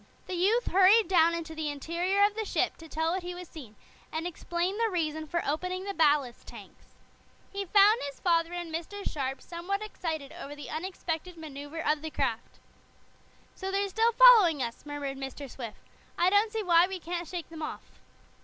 The youth hurried down into the interior of the ship to tell what he had seen, and explain the reason for opening the ballast tanks. He found his father and Mr. Sharp somewhat excited over the unexpected maneuver of the craft. "So they're still following us," murmured Mr. Swift. "I don't see why we can't shake them off."